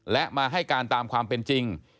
และมาให้การตามความเป็นจริง